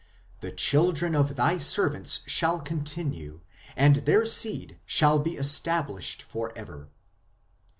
The children of Thy servants shall continue, and their seed shall be established for ever."